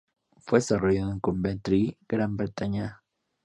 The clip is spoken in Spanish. Fue desarrollado en Coventry, Gran Bretaña.